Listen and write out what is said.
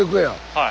はい。